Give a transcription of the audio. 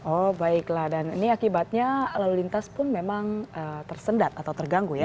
oh baiklah dan ini akibatnya lalu lintas pun memang tersendat atau terganggu ya